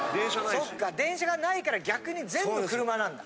そっか、電車がないから、逆に全部車なんだ。